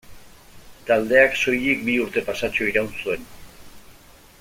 Taldeak soilik bi urte pasatxo iraun zuen.